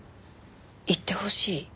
言ってほしい？